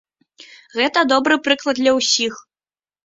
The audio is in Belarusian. Гэта добры прыклад для ўсіх.